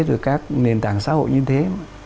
và các nền tảng xã hội như thế